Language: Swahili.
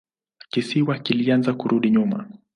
Kisiwa kilianza kurudi nyuma.